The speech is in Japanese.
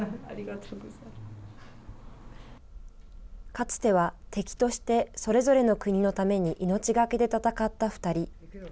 かつては敵としてそれぞれの国のために命懸けで戦った２人。